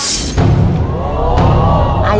ข้อนี้ครับ